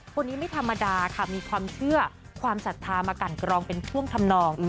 คนนี้ไม่ธรรมดาค่ะมีความเชื่อความศรัทธามากันกรองเป็นช่วงทำนอง